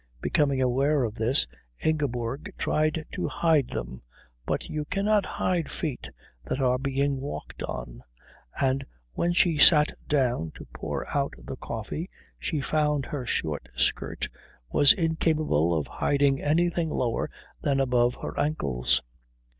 Becoming aware of this, Ingeborg tried to hide them, but you cannot hide feet that are being walked on, and when she sat down to pour out the coffee she found her short skirt was incapable of hiding anything lower than above her ankles.